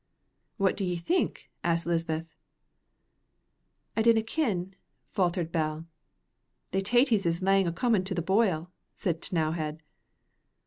"What do ye think?" asked Lisbeth. "I d'na kin," faltered Bell. "Thae tatties is lang o' comin' to the boil," said T'nowhead.